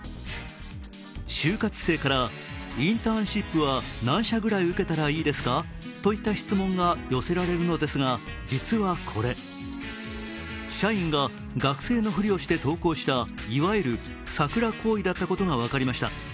就活生からインターンシップは何社ぐらい受けたらいいですかといった質問が寄せられるのですが実はこれ、社員が学生のふりをして投稿したいわゆるサクラ行為だったことが分かりました。